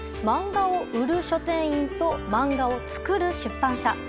漫画を売る書店員と漫画を作る出版社。